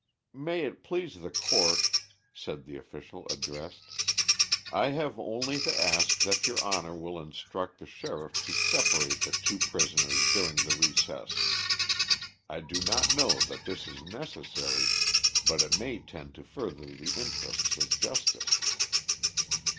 "May it please the court," said the official addressed, "I have only to ask that your honor will instruct the sheriff to separate the two prisoners during the recess. I do not know that this is necessary, but it may tend to further the interests of justice."